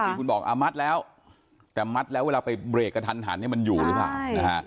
จริงคุณบอกอ่ามัดแล้วแต่มัดแล้วเวลาไปเบรกกระทันมันอยู่หรือเปล่า